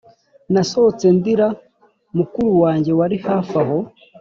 nasohotse ndira mukuru wanjye wari hafi aho